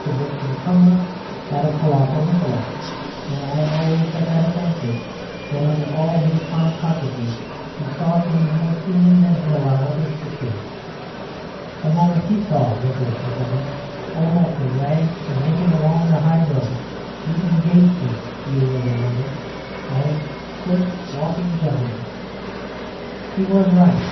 Vincent Crummles had a colossal intellect; and I always have a fancy that under all his pomposity he saw things more keenly than he allowed others to see. The moment he saw Nicholas Nickleby, almost in rags and limping along the high road, he engaged him (you will remember) as first walking gentleman. He was right.